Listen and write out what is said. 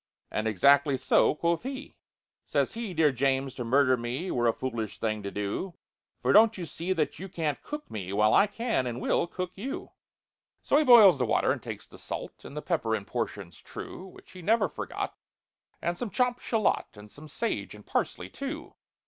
And 'Exactly so,' quoth he. "Says he, 'Dear James, to murder me Were a foolish thing to do, For don't you see that you can't cook me, While I can and will cook you!' "So he boils the water, and takes the salt And the pepper in portions true (Which he never forgot), and some chopped shalot, And some sage and parsley too.